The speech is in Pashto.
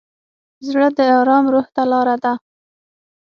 زړه د ارام روح ته لاره ده.